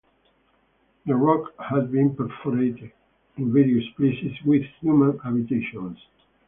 The rock had been perforated in various places with human habitations.